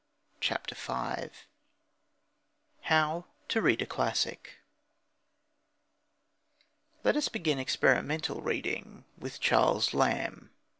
CHAPTER V HOW TO READ A CLASSIC Let us begin experimental reading with Charles Lamb.